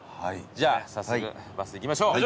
じゃあ早速バスで行きましょう。